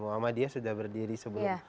muhammadiyah sudah berdiri sebelum